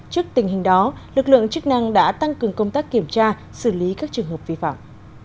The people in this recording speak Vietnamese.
trước tình hình đó lực lượng chức năng đã tăng cường công tác kiểm tra xử lý các trường hợp vi phạm